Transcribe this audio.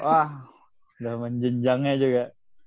wah udah menjenjangnya juga